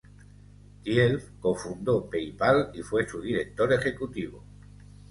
Thiel cofundó PayPal y fue su director ejecutivo.